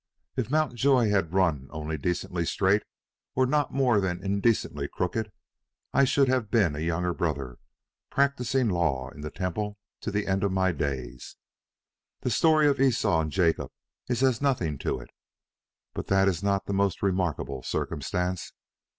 If Mountjoy had run only decently straight, or not more than indecently crooked, I should have been a younger brother, practising law in the Temple to the end of my days. The story of Esau and of Jacob is as nothing to it. But that is not the most remarkable circumstance.